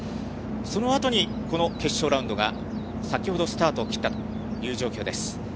そのあとにこの決勝ラウンドが、先ほどスタートを切ったという状況です。